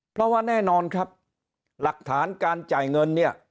เพราะว่าแน่นอนครับหลักฐานการจ่ายเงินเนี่ย